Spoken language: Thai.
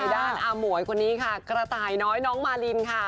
ด้านอาหมวยคนนี้ค่ะกระต่ายน้อยน้องมารินค่ะ